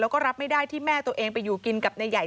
แล้วก็รับไม่ได้ที่แม่ตัวเองไปอยู่กินกับนายใหญ่